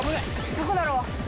どこだろう？